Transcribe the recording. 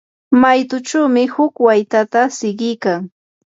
maytuchawmi huk waytata siqikan.